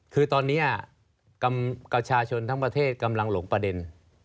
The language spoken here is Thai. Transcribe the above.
คือตอนนี้ประชาชนทั้งประเทศกำลังหลงประเด็น